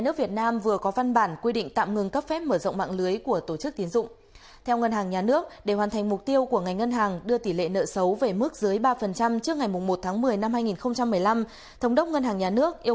các bạn hãy đăng ký kênh để ủng hộ kênh của chúng mình nhé